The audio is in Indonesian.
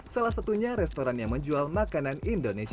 salah satu nya restoran yang jualan makanan indonesia